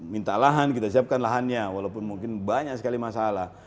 minta lahan kita siapkan lahannya walaupun mungkin banyak sekali masalah